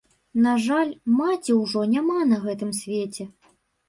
На жаль, маці ўжо няма на гэтым свеце.